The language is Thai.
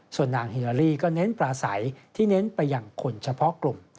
ส่วนนางฮิลาลีก็เน้นปลาใสที่เน้นไปอย่างคนเฉพาะกลุ่ม